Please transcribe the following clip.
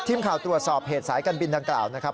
ทีมข่าวตรวจสอบเหตุสายการบินดังกล่าวนะครับ